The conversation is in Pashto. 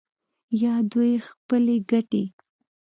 یا دوی خپلې ګټې